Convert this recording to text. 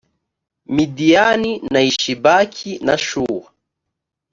midiyani na yishibaki na shuwa